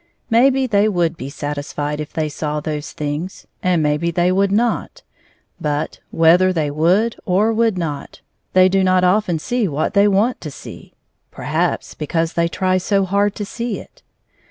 Maybe they would be satisfied if they saw those things, and maybe they would not, but, whether they would or would not, they do not often see what they want to see — perhaps because they try so hard to see it.